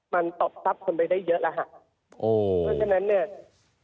มันตอบทับสมัยได้เยอะแล้วฮะเพราะฉะนั้นเนี่ย